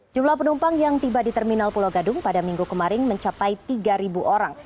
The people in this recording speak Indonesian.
jumlah penumpang yang tiba di terminal pulau gadung pada minggu kemarin mencapai tiga orang